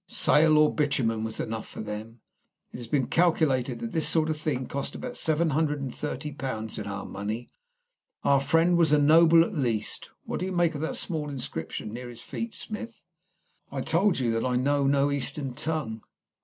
Salt or bitumen was enough for them. It has been calculated that this sort of thing cost about seven hundred and thirty pounds in our money. Our friend was a noble at the least. What do you make of that small inscription near his feet, Smith?" "I told you that I know no Eastern tongue."